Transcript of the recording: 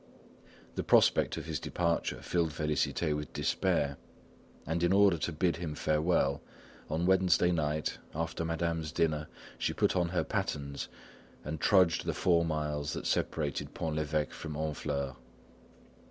The prospect of his departure filled Félicité with despair, and in order to bid him farewell, on Wednesday night, after Madame's dinner, she put on her pattens and trudged the four miles that separated Pont l'Evêque from Honfleur.